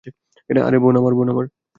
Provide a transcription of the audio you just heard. আরে, বোন আমার!